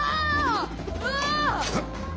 うわ！